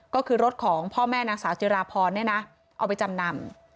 ก็คือรถของพ่อแม่นางสาวจิราพรเนี่ยนะเอาไปจำนำ